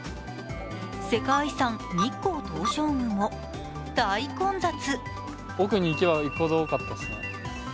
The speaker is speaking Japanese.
世界遺産・日光東照宮も大混雑。